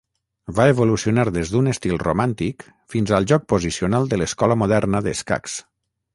Va evolucionar des d'un estil romàntic fins al joc posicional de l'Escola moderna d'escacs.